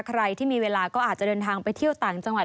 ใครที่มีเวลาก็อาจจะเดินทางไปเที่ยวต่างจังหวัด